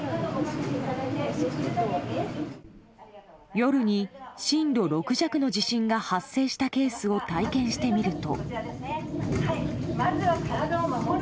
夜に震度６弱の地震が発生したケースを体験してみると。